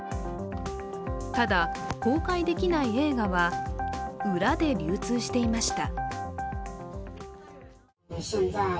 ただ、公開できない映画は裏で流通していました。